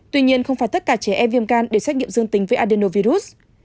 tuy nhiên không phải tất cả trẻ em viêm gan để xét nghiệm dương tính với adenovirus